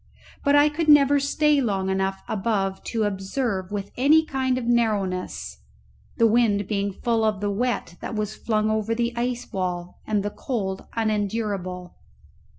But I never could stay long enough above to observe with any kind of narrowness, the wind being full of the wet that was flung over the ice wall and the cold unendurable.